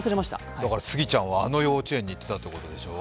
だから、杉ちゃんはあの幼稚園に行っていたということでしょう。